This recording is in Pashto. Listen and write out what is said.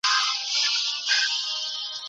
سياسي سيالۍ بايد د قانون په چوکاټ کي وي.